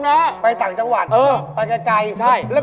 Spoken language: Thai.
มึงไปดาวน์ค่าเลย